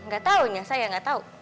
gak tahunya saya gak tahu